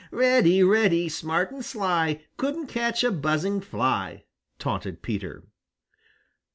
"Reddy, Reddy, smart and sly, Couldn't catch a buzzing fly!" taunted Peter.